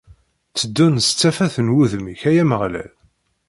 Tteddun s tafat n wudem-ik, ay Ameɣlal!